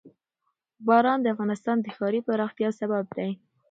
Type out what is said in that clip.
باران د افغانستان د ښاري پراختیا یو سبب دی.